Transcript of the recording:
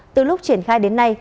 từ lúc triển khai đến nay